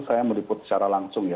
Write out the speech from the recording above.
saya meliput secara langsung ya